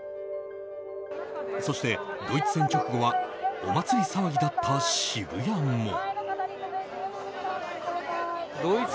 そして、ドイツ戦直後はお祭り騒ぎだった渋谷も。